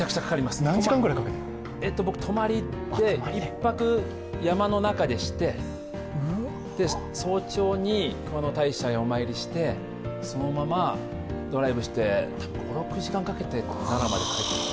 僕、泊まりで、１泊山の中でして早朝に熊野大社へお参りして、そのままドライブして５６時間かけて、奈良まで。